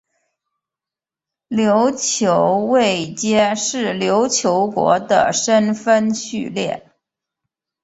琉球位阶是琉球国的身分序列。